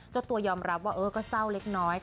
เจ้าตัวยอมรับว่าก็เศร้าเล็กน้อย